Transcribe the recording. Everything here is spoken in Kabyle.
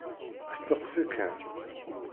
Steqsi kan!